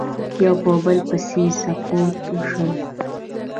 یو په بل پسې سقوط شول